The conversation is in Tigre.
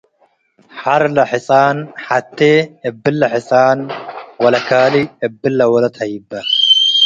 ሐር ለሕጻን ሐቴ አብለ ሕጻን ወለካልእ አብለ ወለት ሀይበ ።